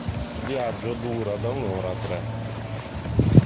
Il viaggio dura da un'ora a tre.